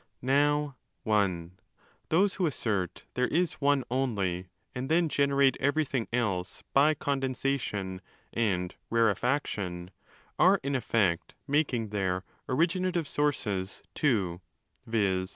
Now (i) those το who assert there is oxe only, and then generate everything else by condensation and rarefaction, are in effect making their ' originative sources' two, viz.